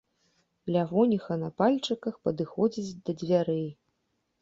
Лявоніха на пальчыках падыходзіць да дзвярэй.